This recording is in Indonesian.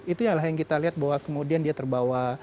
itu yang kita lihat bahwa kemudian dia terbawa